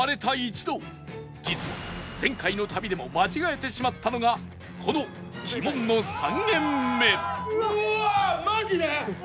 実は前回の旅でも間違えてしまったのがこの鬼門の３軒目